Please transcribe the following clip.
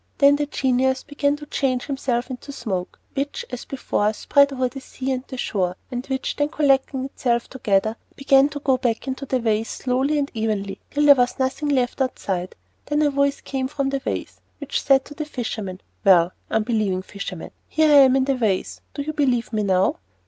Then the genius began to change himself into smoke, which, as before, spread over the sea and the shore, and which, then collecting itself together, began to go back into the vase slowly and evenly till there was nothing left outside. Then a voice came from the vase which said to the fisherman, "Well, unbelieving fisherman, here I am in the vase; do you believe me now?"